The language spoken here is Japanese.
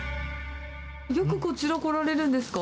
よくこちら来られるんですか？